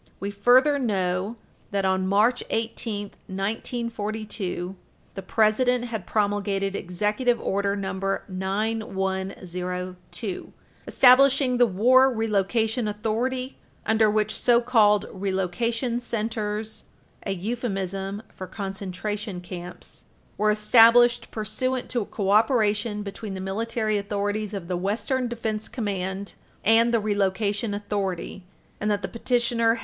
We further know that, on March 18, 1942, the President had promulgated Executive Order No. 9102, [Footnote 2/7] establishing the War Relocation Authority under which so called Relocation Centers, a euphemism for concentration camps, were established pursuant to cooperation between the military authorities of the Western Defense Command and the Relocation Authority, and that the petitioner has Page 323 U.